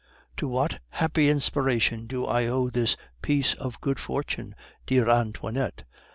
"To what happy inspiration do I owe this piece of good fortune, dear Antoinette?"